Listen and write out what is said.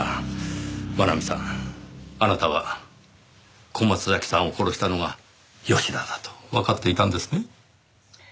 真奈美さんあなたは小松崎さんを殺したのが吉田だとわかっていたんですね？